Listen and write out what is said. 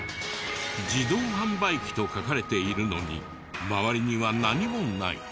「自動販売機」と書かれているのに周りには何もない。